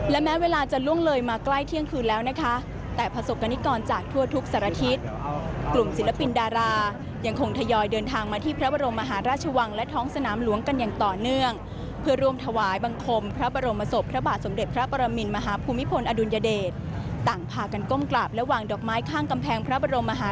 และแม้เวลาจะล่วงเลยมาใกล้เที่ยงคืนแล้วนะครับ